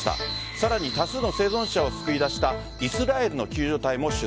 さらに多数の生存者を救い出したイスラエルの救助隊も取材。